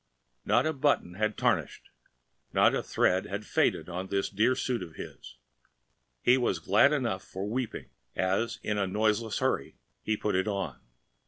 Not a button had tarnished, not a thread had faded on this dear suit of his; he was glad enough for weeping as in a noiseless hurry he put it on.